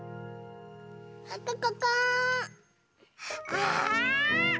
あ！